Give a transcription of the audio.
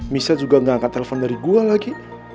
misa juga gak angkat telepon dari gue lagi